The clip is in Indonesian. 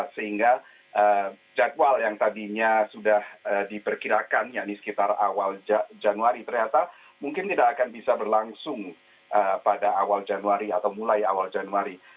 sehingga jadwal yang tadinya sudah diperkirakan yakni sekitar awal januari ternyata mungkin tidak akan bisa berlangsung pada awal januari